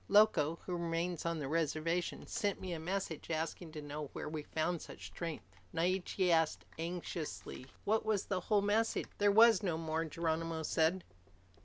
Loco, who remains on the reservation, sent me a messenger, asking to know where we found such strength." Naiche asked anxiously, "Was that the whole message?" "There was no more," Geronimo said.